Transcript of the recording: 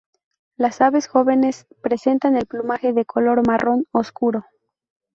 Las aves jóvenes presentan el plumaje de color marrón oscuro.